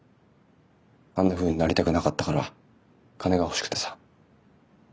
あんなふうになりたくなかったから金が欲しくてさ。